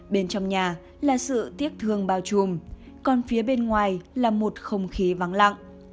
bên trong nhà là sự tiếc thương bao trùm còn phía bên ngoài là một không khí vắng lặng